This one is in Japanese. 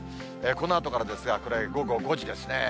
このあとからですが、これ、午後５時ですね。